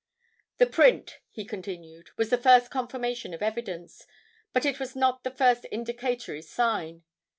"The print," he continued, "was the first confirmation of evidence, but it was not the first indicatory sign.